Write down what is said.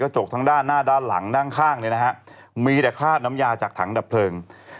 ช่องทางด้านหน้าด้านหลังด้านข้างนี่มีแต่ฆาตน้ำยาจากถังดับเพลิง